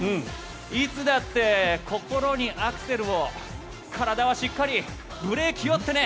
いつだって心にアクセルを体はしっかりブレーキをってね。